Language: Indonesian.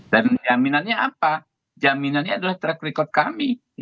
dan jaminannya apa jaminannya adalah track record kami